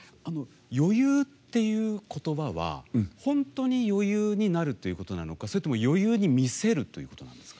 余裕という言葉は本当に余裕があるのかそれとも余裕に見せるということなんですか。